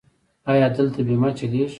ایا دلته بیمه چلیږي؟